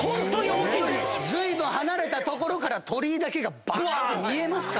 ずいぶん離れた所から鳥居だけがばーん見えますから。